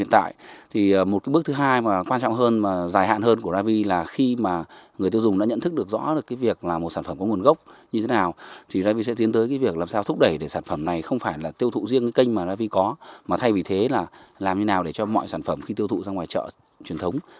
thế là làm như nào để cho mọi sản phẩm khi tiêu dụng ra ngoài chợ truyền thống